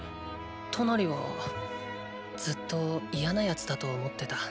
トナリはずっと嫌な奴だと思ってた。